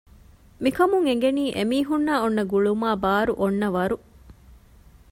މިކަމުން އެނގެނީ އެމީހުންނާއި އޮންނަ ގުޅުމާއި ބާރު އޮންނަ ވަރު